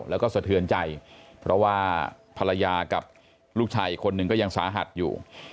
แล้วก็สะเทือนใจเพราะว่าภรรยากับลูกชายอีกคนนึงก็ยังสาหัสอยู่